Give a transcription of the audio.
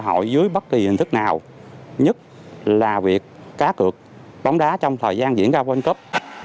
hội dưới bất kỳ hình thức nào nhất là việc cá cược bóng đá trong thời gian diễn ra world cup